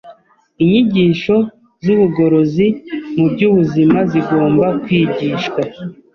Inyigisho z’ubugorozi mu by’ubuzima zigomba kwigishwa